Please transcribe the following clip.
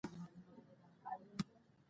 په هېڅ نه پوهېږم چې دلته څه پېښه تېره شوې.